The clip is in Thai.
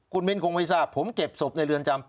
คุณมิ้นคงไม่ทราบผมเก็บศพในเรือนจำ